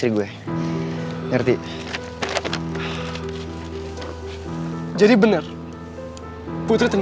tapi sekarang saya gak akan mati absorbing gimana ya